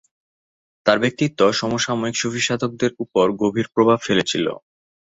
তাঁর ব্যক্তিত্ব সমসাময়িক সুফি সাধকদের উপর গভীর প্রভাব ফেলেছিল।